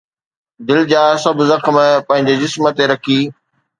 دل جا سڀ زخم پنهنجي جسم تي رکي